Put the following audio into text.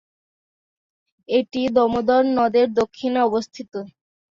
এটি দামোদর নদ-এর দক্ষিণে অবস্থিত।